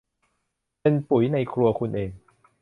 เป็นปุ๋ย ในครัวคุณเอง